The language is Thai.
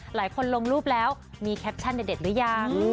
ลงรูปแล้วมีแคปชั่นเด็ดหรือยัง